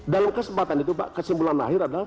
dalam kesempatan itu pak kesimpulan akhir adalah